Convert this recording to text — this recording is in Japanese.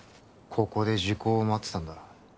ここで時効を待ってたんだな